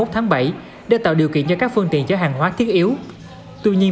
một tháng bảy để tạo điều kiện cho các phương tiện chở hàng hóa thiết yếu tuy nhiên